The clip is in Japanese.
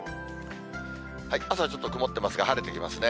朝はちょっと曇ってますが、晴れてきますね。